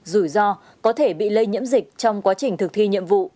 rủi ro có thể bị lây nhiễm dịch trong quá trình thực thi nhiệm vụ